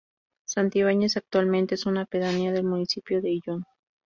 Santibañez actualmente es una pedanía del municipio de Ayllón.